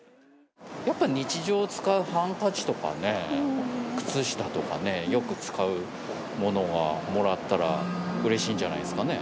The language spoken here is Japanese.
やっぱり日常使うハンカチとかね、靴下とかね、よく使うものは、もらったらうれしいんじゃないですかね。